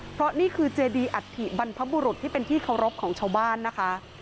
เพราะนี่คือเจดีอัฐิบรรพบุรุษที่เป็นที่เคารพของชาวบ้านนะคะ